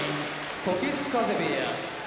時津風部屋